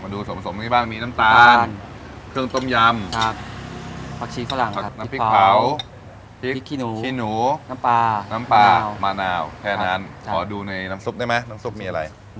อ๋อดูในน้ำซุปได้ไหมน้ำซุปมีอะไร